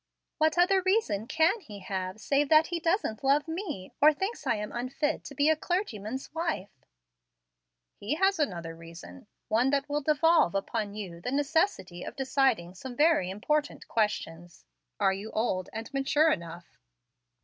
"What other reason can he have save that he doesn't love me, or thinks I am unfit to be a clergyman's wife?" "He has another reason, one that will devolve upon you the necessity of deciding some very important questions. Are you old and mature enough?"